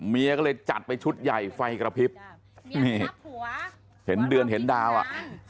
เมียก็เลยจัดไปชุดใหญ่ไฟกระพริบนี่หัวเห็นเดือนเห็นดาวอ่ะ